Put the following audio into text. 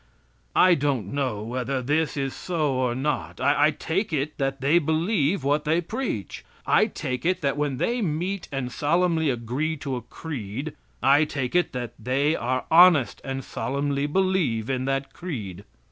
I don't know whether this is so or not. I take it that they believe what they preach. I take it that when they meet and solemnly agree to a creed, I take it they are honest and solemnly believe in that creed.